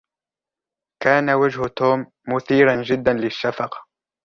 كان وجه توم مثيرا جدّا للشّفقة.